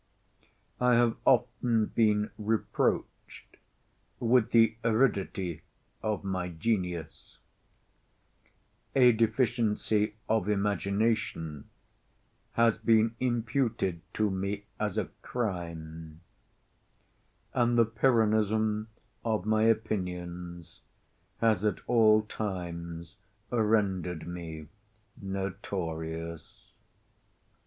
I have often been reproached with the aridity of my genius; a deficiency of imagination has been imputed to me as a crime; and the Pyrrhonism of my opinions has at all times rendered me notorious.